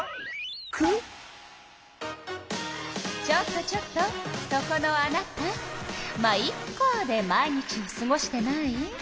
ちょっとちょっとそこのあなた「ま、イッカ」で毎日をすごしてない？